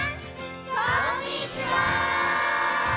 こんにちは！